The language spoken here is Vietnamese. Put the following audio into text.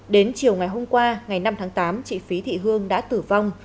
đến chiều ngày hôm qua ngày năm tháng tám chị phí thị hương đã tử vong